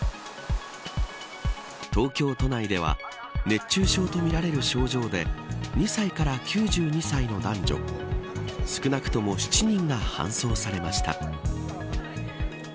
東京都内では熱中症とみられる症状で２歳から９２歳の男女少なくとも７人が搬送されました。